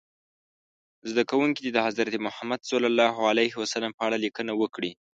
زده کوونکي دې د حضرت محمد ص په اړه لیکنه وکړي.